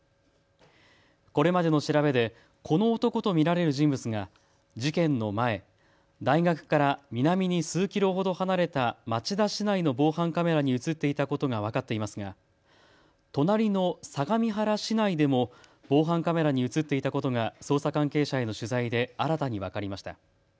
これまでの調べでこの男と見られる人物が事件の前、大学から南に数キロほど離れた町田市内の防犯カメラに写っていたことが分かっていますが隣の相模原市内でも防犯カメラに写っていたことが捜査関係者への取材で新たに分かりました。